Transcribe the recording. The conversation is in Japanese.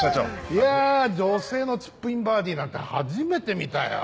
いや女性のチップインバーディーなんて初めて見たよ